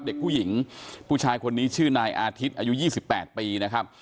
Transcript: เด็กผู้หญิงผู้ชายคนนี้ชื่อนายอาทิตย์อายุ๒๘ปีนะครับ